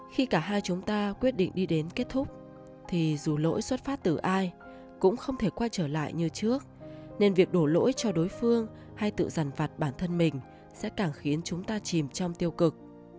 khi cả hai chúng ta quyết định đi đến kết thúc thì dù lỗi xuất phát từ ai cũng không thể quay trở lại như trước nên việc đổ lỗi cho đối phương hay tự giàn vặt bản thân mình sẽ càng khiến chúng ta chìm trong tiêu cực